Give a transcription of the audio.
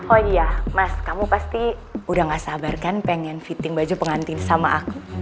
oh iya mas kamu pasti udah gak sabar kan pengen fitting baju pengantin sama aku